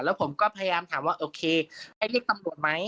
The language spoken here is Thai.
แล้วผมก็พยายามถามว่าโอเคให้เรียกตำรวจไหม